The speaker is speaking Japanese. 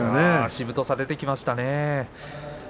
しぶとさ出ていましたね。